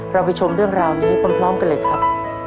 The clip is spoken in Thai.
เราไปชมเรื่องราวนี้พร้อมกันเลยครับ